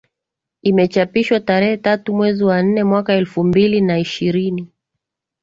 Imechapishwa tarehe tatu mwezi wa nne mwaka elfu mbili na ishirini